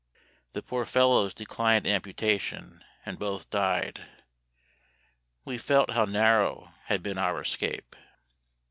The poor fellows declined amputation, and both died. We felt how narrow had been our escape.